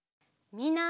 みんな！